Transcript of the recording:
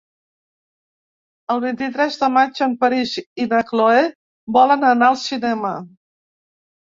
El vint-i-tres de maig en Peris i na Cloè volen anar al cinema.